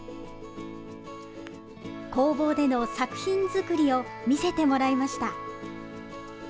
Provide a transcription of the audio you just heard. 工房での作品作りを見せてもらいました。